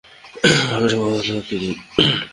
আমাকে একটা পথ দেখিয়ে দিন।